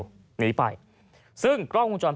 พร้อมกับหยิบมือถือขึ้นไปแอบถ่ายเลย